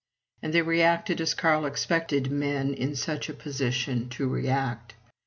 And they reacted as Carl expected men in such a position to react.